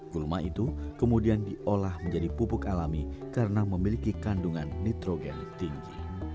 gulma itu kemudian diolah menjadi pupuk alami karena memiliki kandungan nitrogen tinggi